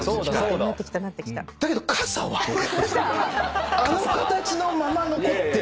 だけど傘はあの形のまま残ってる。